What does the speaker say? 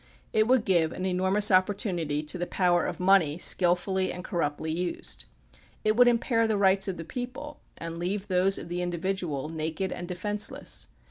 It would give an enormous oppor THE PUBLIC OPINION BILL 23 turiity to the power of money skilfully and corruptly used. It would impair the rights of the people and leave those of the individual naked and defenceless.